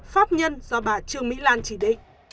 pháp nhân do bà trương mỹ lan chỉ định